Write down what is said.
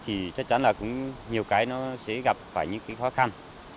thì chắc chắn là cũng nhiều cái nó sẽ gặp phải những cái khó khăn